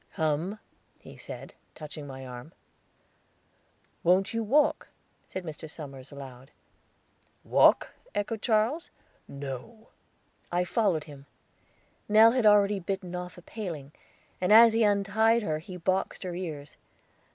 "Come," he said, touching my arm. "Wont you walk?" said Mr. Somers aloud. "Walk?" echoed Charles. "No." "I followed him. Nell had already bitten off a paling; and as he untied her he boxed her ears.